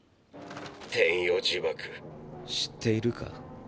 天与呪縛知っているか？